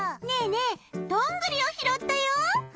ねえねえどんぐりをひろったよ。